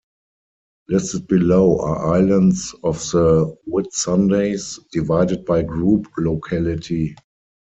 Listed below are islands of The Whitsundays, divided by group locality.